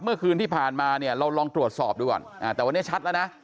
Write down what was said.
เมื่อคืนที่ผ่านมาเนี่ยเราลองตรวจสอบดูก่อนแต่วันนี้ชัดแล้วนะ